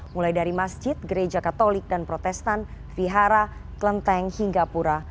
mulai dari masjid gereja katolik dan protestan vihara klenteng hingga pura